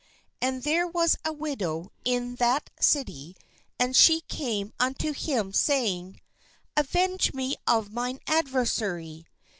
And there was a widow in that city; and she came unto him, saying: Avenge me of mine adversary."